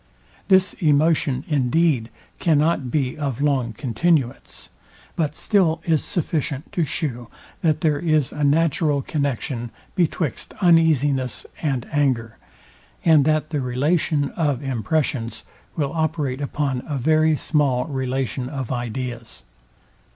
This emotion, indeed, cannot be of long continuance; but still is sufficient to shew, that there is a natural connexion betwixt uneasiness and anger, and that the relation of impressions will operate upon a very small relation of ideas.